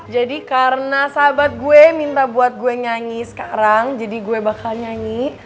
jadi karena sahabat gue minta buat gue nyanyi sekarang jadi gue bakal nyanyi